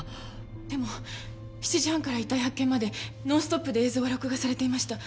でも７時半から遺体発見までノンストップで映像は録画されていました。